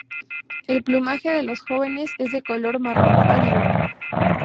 El plumaje de los jóvenes es de color marrón pálido.